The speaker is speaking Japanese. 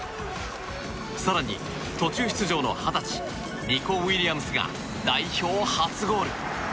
更に、途中出場の二十歳ニコ・ウィリアムスが代表初ゴール。